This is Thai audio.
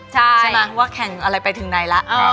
ใช่ไหมว่าแข่งอะไรไปถึงไหนละ